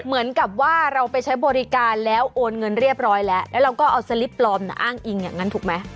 เหมือนกับว่าเราไปใช้บริการแล้วโอนเงินเรียบร้อยแล้วแล้วเราก็เอาสลิปปลอมอ้างอิงอย่างนั้นถูกไหม